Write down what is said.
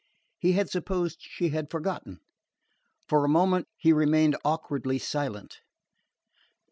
He had supposed she had forgotten. For a moment he remained awkwardly silent.